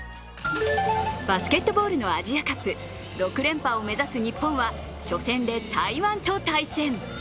バスケットボールのアジアカップ。６連覇を目指す日本は初戦で台湾と対戦。